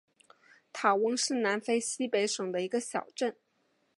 塔翁是南非西北省的一个小镇。